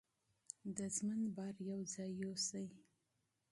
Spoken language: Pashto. د ژوند بار یو ځای یوسئ.